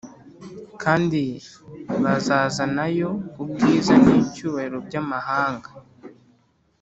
Kandi bazazanayo ubwiza n’icyubahiro by’amahanga.